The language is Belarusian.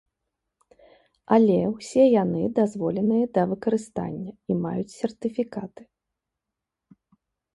Але ўсе яны дазволеныя да выкарыстання і маюць сертыфікаты.